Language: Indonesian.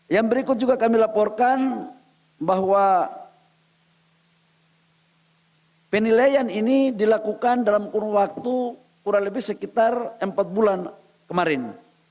yang berikut juga kami laporkan bahwa penilaian ini dilakukan dalam kurun waktu kurang lebih sekitar empat bulan kemarin